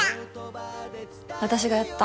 私がやった。